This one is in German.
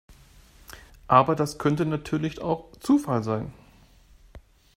Aber das könnte natürlich auch Zufall sein.